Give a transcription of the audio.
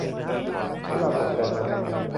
ขี้เหล้าตกใจมาก